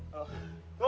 buka buka buka